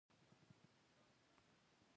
که د ځان لپاره ذاتي ارزښت قایل یو.